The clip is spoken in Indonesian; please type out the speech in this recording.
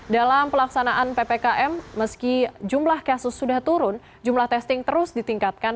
dalam pelaksanaan ppkm meski jumlah kasus sudah turun jumlah testing terus ditingkatkan